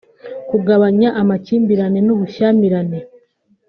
kugabanya amakimbirane n’ubushyamirane